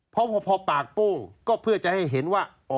เพราะพอปากโป้งก็เพื่อจะให้เห็นว่า